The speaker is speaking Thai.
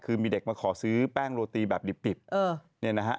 คือมีเด็กมาขอซื้อแป้งโรตีแบบดิบเนี่ยนะฮะ